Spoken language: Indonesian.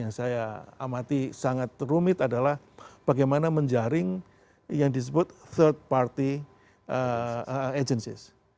yang saya amati sangat rumit adalah bagaimana menjaring yang disebut third party agencys